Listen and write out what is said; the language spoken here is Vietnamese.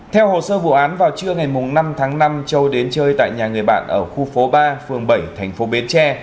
theo hồ sơ vụ án vào trưa ngày năm tháng năm châu đến chơi tại nhà người bạn ở khu phố ba phường bảy thành phố bến tre